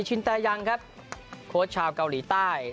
ชินตายังครับโค้ชชาวเกาหลีใต้